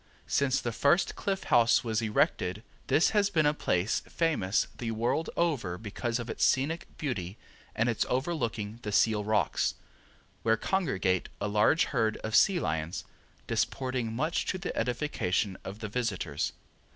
Since the first Cliff House was erected this has been a place famous the world over because of its scenic beauty and its overlooking the Seal Rocks, where congregate a large herd of sea lions disporting much to the edification of the visitors.